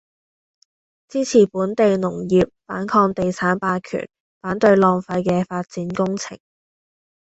支持本地農業，反抗地產霸權，反對浪費嘅發展工程